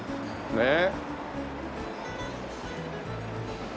ねえ。